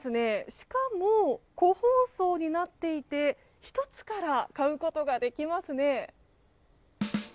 しかも、個包装になっていて１つから買うことができますね。